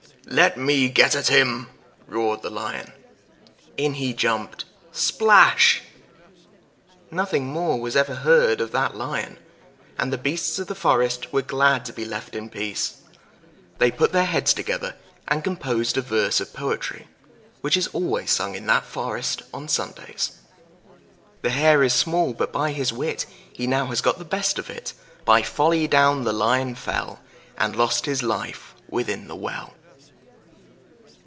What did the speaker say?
"Let me get at him!" roared the Lion. In he jumped splash! Nothing more was ever heard of that Lion, and the beasts of the forest were glad to be left in peace. They put their heads together, and composed a verse of poetry, which is always sung in that forest on Sundays: "The Hare is small, but by his wit He now has got the best of it; By folly down the Lion fell, And lost his life within the well."